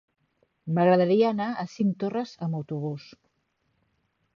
M'agradaria anar a Cinctorres amb autobús.